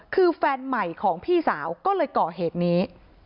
คือแฟนใหม่ของพี่สาวก็เลยก่อเหตุนี้